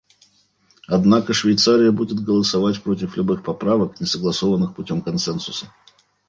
Однако Швейцария будет голосовать против любых поправок, не согласованных путем консенсуса.